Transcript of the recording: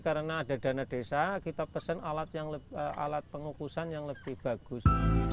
karena ada dana desa kita pesan alat pengukusan yang lebih bagus